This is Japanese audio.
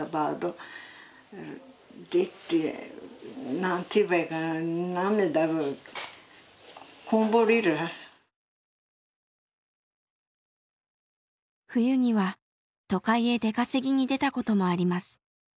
何て言えばいいかな冬には都会へ出稼ぎに出たこともあります。